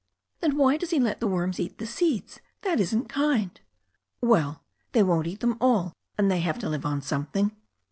"Then why does He let the worms eat the seeds? That isn't kind." "Well, they won't eat them all, and they have to live on something."